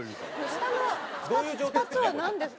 下の２つはなんですか？